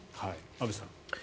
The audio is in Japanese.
安部さん。